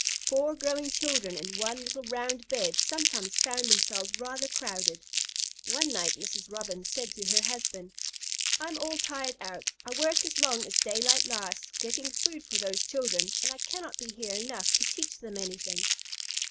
Four growing children in one little round bed sometimes found themselves rather crowded. One night Mrs. Robin said to her husband: "I am all tired out. I work as long as daylight lasts getting food for those children, and I cannot be here enough to teach them anything."